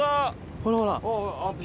ほらほら。